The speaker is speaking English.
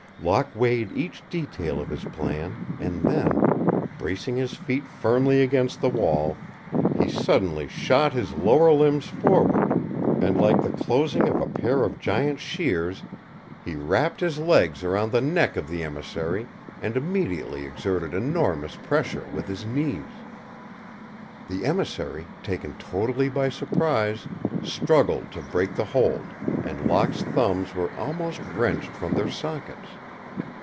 Locke weighed each detail of his plan and then, bracing his feet firmly against the wall, he suddenly shot his lower limbs forward and, like the closing of a pair of giant shears, he wrapped his legs about the neck of the emissary and immediately exerted enormous pressure with his knees. The emissary, taken totally by surprise, struggled to break the hold, and Locke's thumbs were almost wrenched from their sockets.